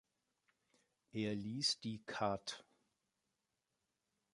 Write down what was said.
Er ließ die Kath.